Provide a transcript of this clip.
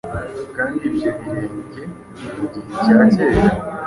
Kandi ibyo birenge mugihe cya kera